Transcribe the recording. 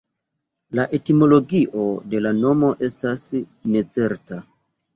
La etimologio de la nomo estas necerta.